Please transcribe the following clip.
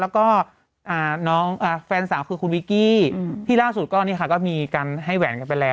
แล้วก็แฟนสาวคือคุณวิกกี้ที่ล่าสุดก็นี่ค่ะก็มีการให้แหวนกันไปแล้ว